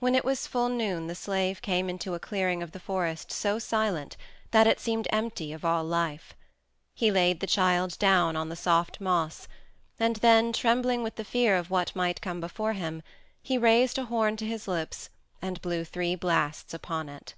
When it was full noon the slave came into a clearing of the forest so silent that it seemed empty of all life. He laid the child down on the soft moss, and then, trembling with the fear of what might come before him, he raised a horn to his lips and blew three blasts upon it.